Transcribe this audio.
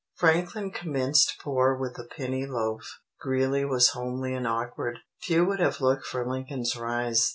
Franklin commenced poor with a penny loaf; Greeley was homely and awkward. Few would have looked for Lincoln's rise.